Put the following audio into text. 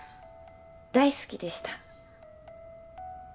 大好きでした。